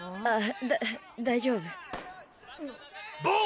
ああ！